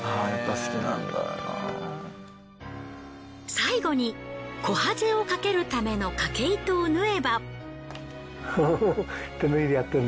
最後にこはぜをかけるためのかけ糸を縫えば。